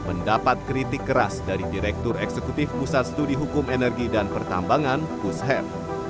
mendapat kritik keras dari direktur eksekutif pusat studi hukum energi dan pertambangan pusher